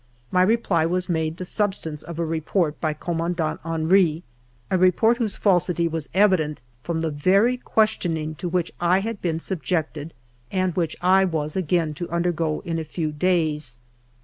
My reply was made the substance of a report by Commandant Henry, — a report whose falsity was evident from the very questioning to which I had been subjected and which I was again to undergo in a few days.